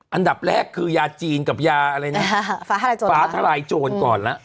อันดับแรกคือยาจีนกับยาฟ้าทะลายโจรก่อนละ